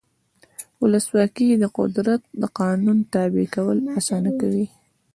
ولسواکي د قدرت د قانون تابع کول اسانه کوي.